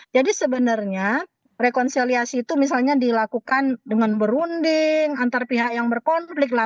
sebenarnya rekonsiliasi itu misalnya dilakukan dengan berunding antar pihak yang berkonflik lah